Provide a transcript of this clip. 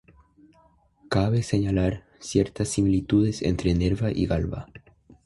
Cabe señalar ciertas similitudes entre Nerva y Galba.